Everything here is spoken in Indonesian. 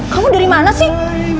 kamu dari mana sih